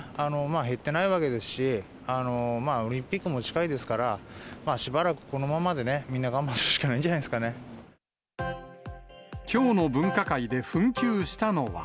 減ってないわけですし、オリンピックも近いですから、まあしばらくこのままでね、みんな我慢するしかないんじゃなきょうの分科会で紛糾したのは。